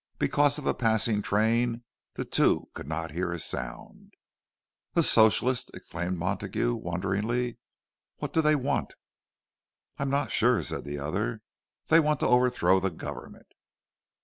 Because of a passing train the two could not hear a sound. "A Socialist!" exclaimed Montague, wonderingly. "What do they want?" "I'm not sure," said the other. "They want to overthrow the government."